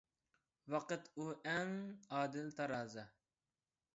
ۋاقىت، ئۇ ئەڭ ئادىل تارازا.